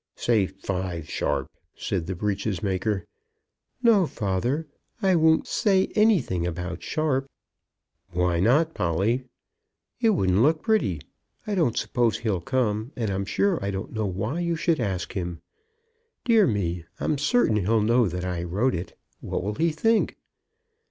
"Say five sharp," said the breeches maker. "No, father, I won't, say anything about sharp." "Why not, Polly?" "It wouldn't look pretty. I don't suppose he'll come, and I'm sure I don't know why you should ask him. Dear me, I'm certain he'll know that I wrote it. What will he think?"